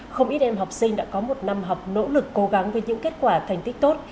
không ít em học sinh đã có một năm học nỗ lực cố gắng với những kết quả thành tích tốt